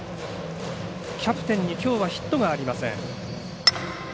キャプテンにきょうはヒットがありません。